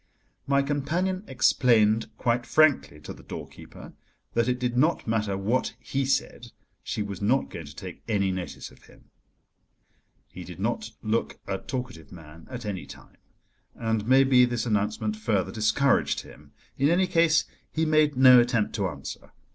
My companion explained quite frankly to the doorkeeper that it did not matter what he said, she was not going to take any notice of him. He did not look a talkative man at any time, and, maybe, this announcement further discouraged him. In any case, he made no attempt to answer.